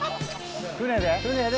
船で？